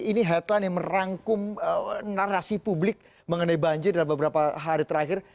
ini headline yang merangkum narasi publik mengenai banjir dalam beberapa hari terakhir